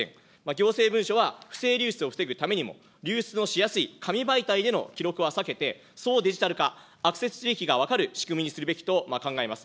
行政文書は不正流出を防ぐためにも、流出のしやすい紙媒体での記録は避けて、総デジタル化、アクセス履歴が分かる仕組みにするべきと考えます。